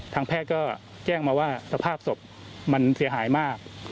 ทางแพทย์ก็แจ้งมาว่าสภาพศพมันเสียหายมาก